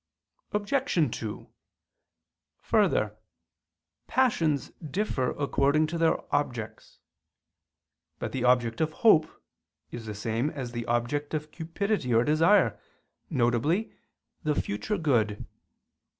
Obj. 2: Further, passions differ according to their objects. But the object of hope is the same as the object of cupidity or desire, viz. the future good.